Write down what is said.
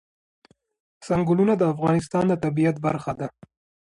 چنګلونه د افغانستان د طبیعت برخه ده.